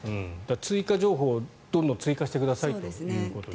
追加情報をどんどん追加してくださいということですね。